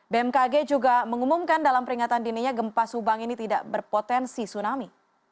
bmkg juga mengumumkan dalam peringatan dininya gempa subang ini tidak berpotensi tsunami